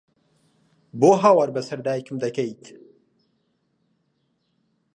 بۆ هاوار بەسەر دایکم دەکەیت؟!